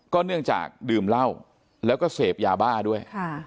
เนื่องจากดื่มเหล้าแล้วก็เสพยาบ้าด้วย